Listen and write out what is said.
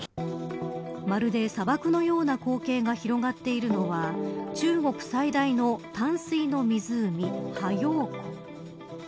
まるで砂漠のような光景が広がっているのは中国最大の淡水の湖、は陽湖。